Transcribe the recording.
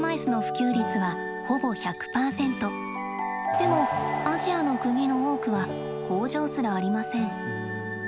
でもアジアの国の多くは工場すらありません。